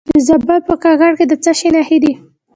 د زابل په کاکړ کې د څه شي نښې دي؟